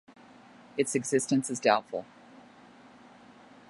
Its existence is doubtful.